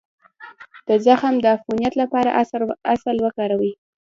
د زخم د عفونت لپاره عسل وکاروئ